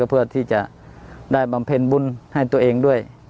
เพื่อที่จะได้บำเพ็ญบุญให้ตัวเองด้วย